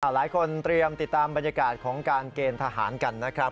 หลายคนเตรียมติดตามบรรยากาศของการเกณฑ์ทหารกันนะครับ